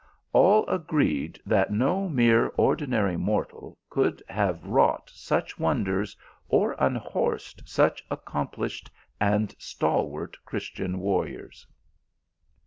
All agreed that no mere ordinary mortal could have wrought such wonders, or unhorsed such accomplished and stalwart Christian warriors.